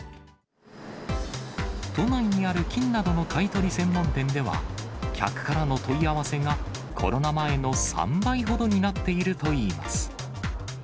都内にある金などの買い取り専門店では、客からの問い合わせがコロナ前の３倍ほどになっているといいます。